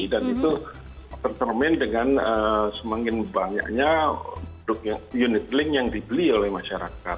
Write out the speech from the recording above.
dan itu tercermin dengan semakin banyaknya unit link yang dibeli oleh masyarakat